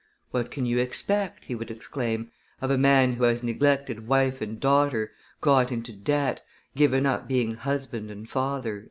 "What can you expect," he would exclaim, "of a man who has neglected wife and daughter, got into debt, given up being husband and father?"